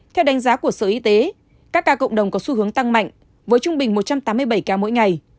theo đánh giá của sở y tế các ca cộng đồng có xu hướng tăng mạnh với trung bình một trăm tám mươi bảy ca mỗi ngày